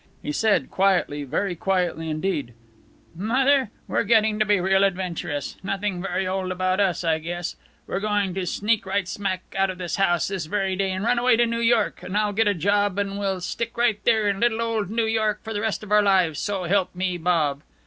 He said, quietly, very quietly indeed: "Mother, we're getting to be real adventurous. Nothing very old about us, I guess! We're going to sneak right smack out of this house, this very day, and run away to New York, and I'll get a job and we'll stick right there in little old New York for the rest of our lives, so help me Bob!"